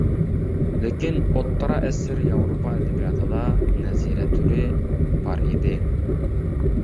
لېكىن، ئوتتۇرا ئەسىر ياۋروپا ئەدەبىياتىدا نەزىرە تۈرى بار ئىدى.